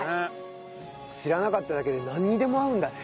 知らなかっただけでなんにでも合うんだね。